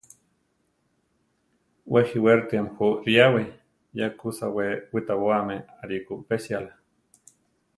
Wé jiwéritiame jú riyáwi, ya kú sawé witabóame arikó upésiala.